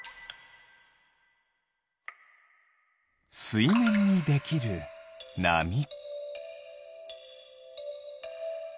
すいめんにできるなみ。